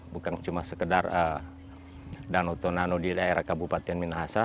bukan cuma sekedar danau tonano di daerah kabupaten minahasa